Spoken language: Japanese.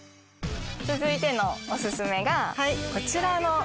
続いてのオススメがこちらの。